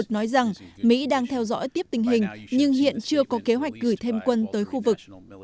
nói rằng mỹ đang theo dõi tiếp tình hình nhưng hiện chưa có kế hoạch gửi thêm quân tới khu vực